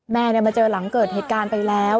มาเจอหลังเกิดเหตุการณ์ไปแล้ว